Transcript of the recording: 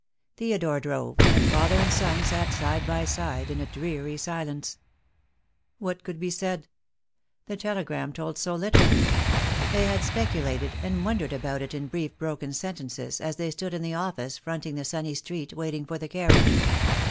Theodore drove, and father and son sat side by side in a dreary silence. What could be said? The telegram told so little. They had speculated and wondered about it in brief broken sentences as they stood in the office fronting the sunny street, waiting for the carriage.